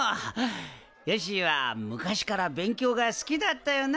よっしぃは昔から勉強が好きだったよな。